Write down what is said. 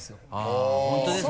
あぁ「本当ですか？」